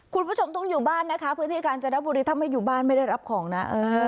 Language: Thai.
คุณผู้ชมต้องอยู่บ้านนะคะพื้นที่กาญจนบุรีถ้าไม่อยู่บ้านไม่ได้รับของนะ